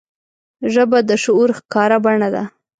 ژبه د شعور ښکاره بڼه ده